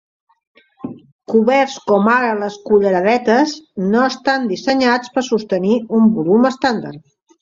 Coberts com ara les culleradetes no estan dissenyats per sostenir un volum estàndard.